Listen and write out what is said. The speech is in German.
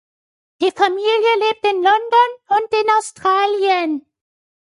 Die Familie lebt in London und in Australien.